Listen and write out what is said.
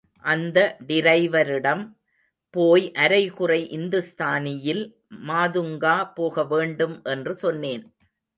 அந்த டிரைவரிடம் போய் அரைகுறை இந்துஸ்தானியில், மாதுங்கா போகவேண்டும் என்று சொன்னேன்.